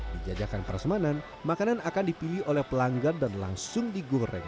dijajarkan para semanan makanan akan dipilih oleh pelanggan dan langsung digoreng